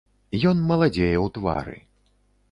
Ён маладзее ў твары.